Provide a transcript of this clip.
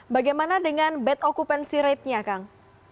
bagaimana dengan bad occupancy rate nya kang